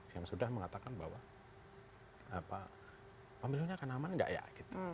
yang sudah mengatakan bahwa pemilunya akan aman nggak ya